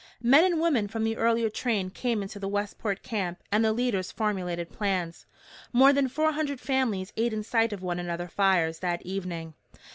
Men and women from the earlier train came into the Westport camp and the leaders formulated plans. More than four hundred families ate in sight of one another fires that evening.